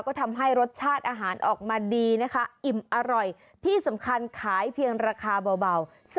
ก็ทำให้รสชาติอาหารออกมาดีนะคะอิ่มอร่อยที่สำคัญขายเพียงราคาเบา